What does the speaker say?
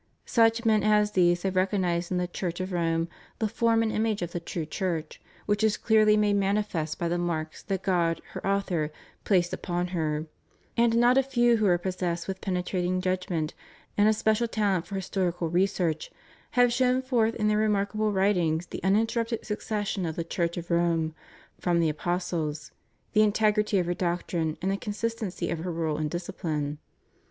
Such men as these have recognized in the Church of Rome the form and image of the true Church, which is clearlyt made manifest by the marks that God, her Author, placed upon her: and not a few who were possessed with penetrating judgment and a special talent for historical research, have shown forth in their remarkable writings the uninterrupted succession of the Church of Rome from the apostles, the integrity of her doctrine, and the consistency of her rule and discipline.